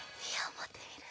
もってみる？